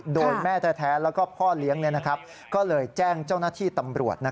โดยแม่แท้แล้วก็พ่อเลี้ยงก็เลยแจ้งเจ้าหน้าที่ตำรวจ